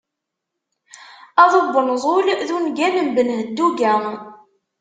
"Aḍu n wenẓul" d ungal n Ben Hedduga.